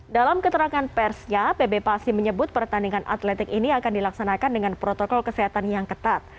dalam keterangan persnya pb pasi menyebut pertandingan atletik ini akan dilaksanakan dengan protokol kesehatan yang ketat